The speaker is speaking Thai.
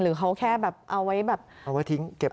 เขาแค่แบบเอาไว้แบบเอาไว้ทิ้งเก็บ